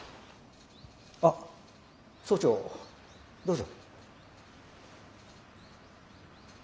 あ総長どうぞ。